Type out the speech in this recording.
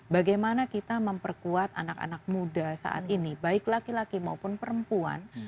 bagaimana kita memperkuat anak anak muda saat ini baik laki laki maupun perempuan